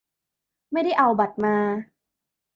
ไม่ได้เอาบัตรมา